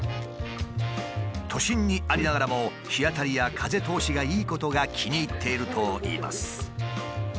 都心にありながらも日当たりや風通しがいいことが気に入っているといいます。